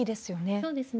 そうですね。